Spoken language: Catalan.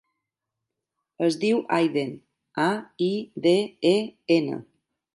Es diu Aiden: a, i, de, e, ena.